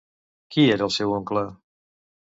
Qui era el seu oncle?